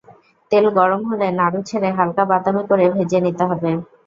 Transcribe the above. তেল গরম হলে নাড়ু ছেড়ে হালকা বাদামি করে ভেজে নিতে হবে।